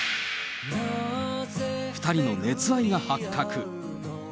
２人の熱愛が発覚。